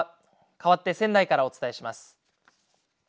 かわって仙台からお伝えします。